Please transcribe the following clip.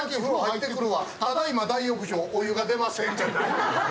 ただいま大浴場、お湯が出ませんじゃないのよ。